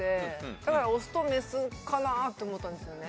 だからオスとメスかなって思ったんですよね。